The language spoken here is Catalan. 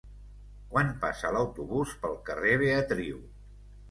Quan passa l'autobús pel carrer Beatriu?